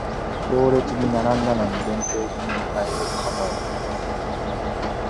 行列に並んだのに限定品を買えず肩を落とす